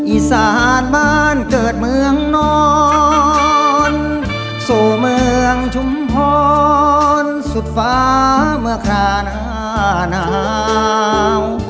อีสานบ้านเกิดเมืองนอนสู่เมืองชุมพรสุดฟ้าเมื่อคราหน้าหนาว